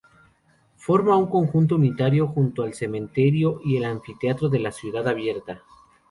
Forma un conjunto unitario junto al Cementerio y el Anfiteatro de la Ciudad Abierta.